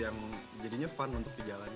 yang jadinya fun untuk dijalankan